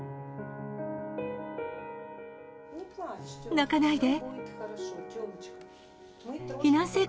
泣かないで。